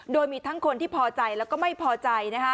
โดยมีทั้งคนที่พอใจแล้วก็ไม่พอใจ